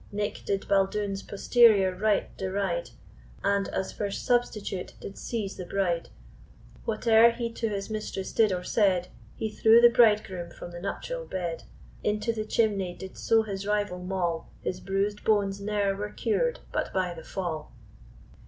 Nick did Baldoon's posterior right deride, And, as first substitute, did seize the bride; Whate'er he to his mistress did or said, He threw the bridegroom from the nuptial bed, Into the chimney did so his rival maul, His bruised bones ne'er were cured but by the fall.